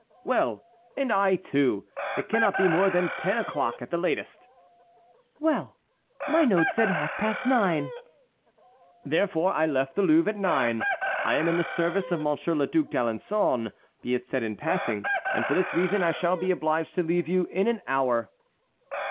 "Well! and I too; it cannot be more than ten o'clock at the latest." "Well! my note said half past nine." "Therefore I left the Louvre at nine o'clock. I am in the service of Monsieur le Duc d'Alençon, be it said in passing, and for this reason I shall be obliged to leave you in an hour."